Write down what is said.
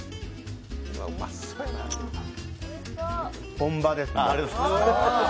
本場です。